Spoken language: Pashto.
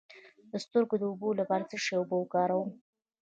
د سترګو د اوبو لپاره د څه شي اوبه وکاروم؟